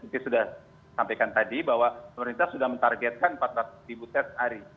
saya sudah sampaikan tadi bahwa pemerintah sudah mentargetkan empat ratus ribu tes hari